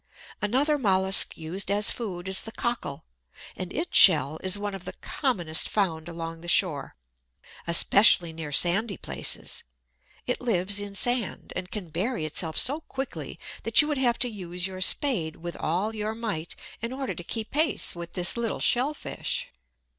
Another mollusc used as food is the Cockle, and its shell is one of the commonest found along the shore, especially near sandy places. It lives in sand, and can bury itself so quickly that you would have to use your spade with all your might in order to keep pace with this little shell fish.